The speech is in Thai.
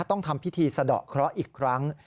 ต้องทำพิธีสะดอกเคราะห์อีกครั้ง